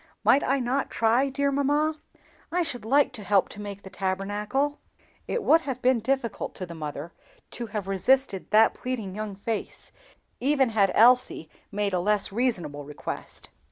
Might I not try, dear mamma? I should like to help to make the Tabernacle." It would have been difficult to the mother to have resisted that pleading young face, even had Elsie made a less reasonable request.